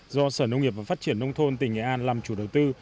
do sở nông nghiệp và phát triển nông thôn tỉnh nghệ an làm chủ đầu tư